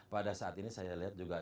pada saat ini saya lihat juga